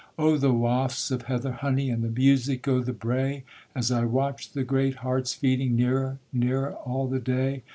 Oh, the wafts o' heather honey, and the music o' the brae, As I watch the great harts feeding, nearer, nearer a' the day.